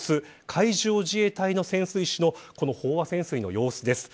海上自衛隊の潜水士の飽和潜水の訓練の様子です。